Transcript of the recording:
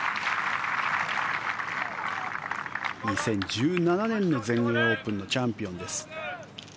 ２０１７年の全英オープンのチャンピオンです。